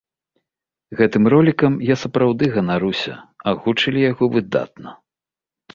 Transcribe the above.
Гэтым ролікам я сапраўды ганаруся, агучылі яго выдатна!